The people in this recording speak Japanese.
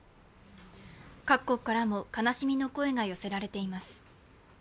各国からも悲しみの声が寄せられています。